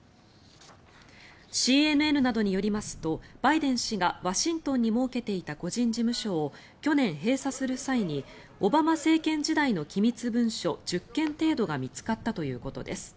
ＣＮＮなどによりますとバイデン氏がワシントンに設けていた個人事務所を去年閉鎖する際にオバマ政権時代の機密文書１０件程度が見つかったということです。